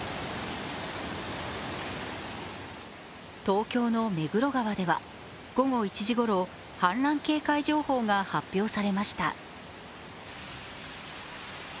東京の目黒川では午後１時ごろ氾濫警戒情報が発表されました。